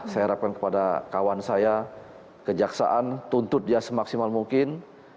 saya harapkan kepada kawan saya kejaksaan tuntut dia semaksimal mungkin